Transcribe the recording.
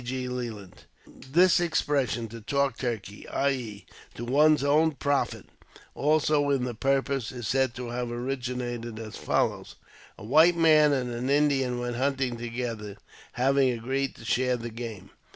G. Leland. t This expression *' to talk turkey," i.e., to one's own profit; also to the purpose, is said to have originated as follows :— A white man and an Indian went hunting together, having agreed to share the game.